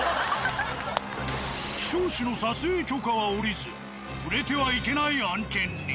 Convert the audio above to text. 希少種の撮影許可は下りず触れてはいけない案件に。